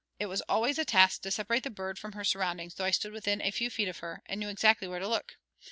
It was always a task to separate the bird from her surroundings though I stood within a few feet of her, and knew exactly where to look.